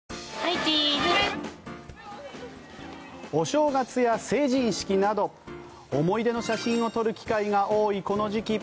お正月や成人式など思い出の写真を撮る機会が多いこの時期。